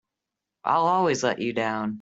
I'll always let you down!